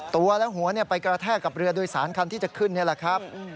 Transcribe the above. ตัวและหัวไปกระแทกกับเรือโดยสารคันที่จะขึ้นนี่แหละครับ